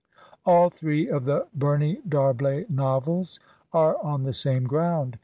All three of the Bumey D'Arblay novels are on the same ground.